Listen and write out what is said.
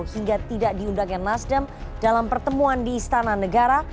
hingga tidak diundangkan nasdem dalam pertemuan di istana negara